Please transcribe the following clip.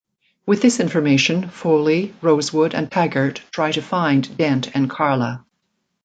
With this information, Foley, Rosewood, and Taggart try to find Dent and Karla.